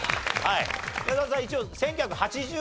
宮沢さん一応。